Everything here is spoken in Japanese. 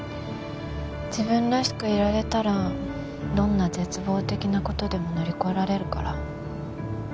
自分らしくいられたらどんな絶望的な事でも乗り越えられるから。